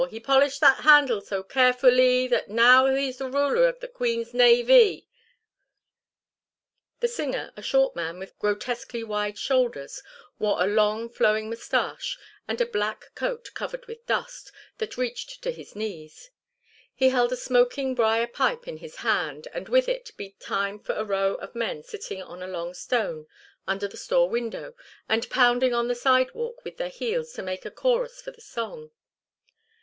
He polished that handle so carefullee, That now he's the ruler of the queen's navee." The singer, a short man with grotesquely wide shoulders, wore a long flowing moustache, and a black coat, covered with dust, that reached to his knees. He held a smoking briar pipe in his hand, and with it beat time for a row of men sitting on a long stone under the store window and pounding on the sidewalk with their heels to make a chorus for the song.